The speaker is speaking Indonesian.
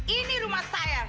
ini rumah saya